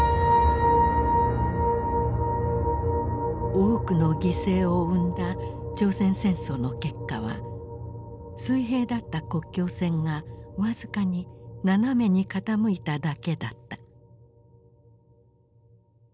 多くの犠牲を生んだ朝鮮戦争の結果は水平だった国境線が僅かに斜めに傾いただけだった。